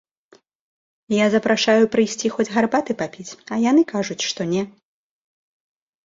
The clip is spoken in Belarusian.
Я запрашаю прыйсці хоць гарбаты папіць, а яны кажуць, што не.